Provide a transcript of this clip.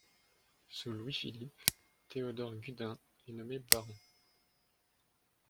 Sous Louis-Philippe, Théodore Gudin est nommé baron.